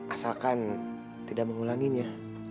asalkan tidak mengulanginya